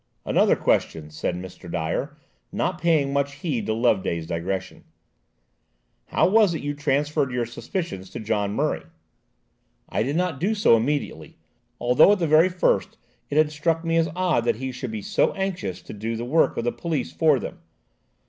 "Another question," said Mr. Dyer, not paying much heed to Loveday's digression: "how was it you transferred your suspicions to John Murray?" "I did not do so immediately, although at the very first it had struck me as odd that he should be so anxious to do the work of the police for them.